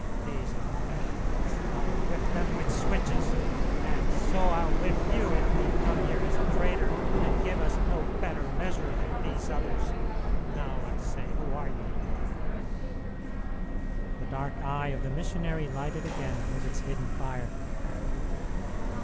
These Americans I whip them with switches! And so I'll whip you if ye come here as a trader and give us no better measure than these others! Now, I say, who are ye?" The dark eye of the missionary lighted again with its hidden fire.